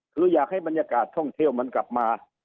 คืออยากให้บรรยากาศท่องเที่ยวมันกลับมา